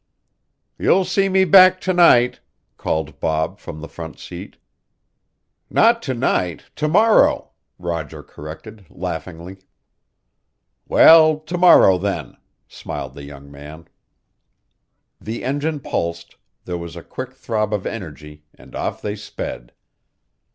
"You'll see me back to night," called Bob from the front seat. "Not to night, to morrow," Roger corrected laughingly. "Well, to morrow then," smiled the young man. The engine pulsed, there was a quick throb of energy, and off they sped.